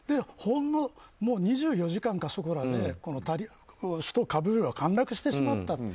ほんの２４時間かそこらで首都カブールは陥落してしまった。